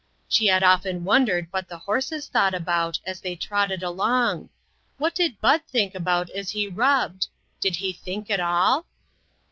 She had often wondered what the horses thought about, as they trotted along. What did Bud think about as he rubbed? Did he think at all?